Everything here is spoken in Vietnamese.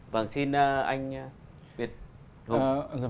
vâng xin anh việt hùng